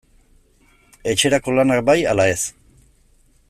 Etxerako lanak bai ala ez?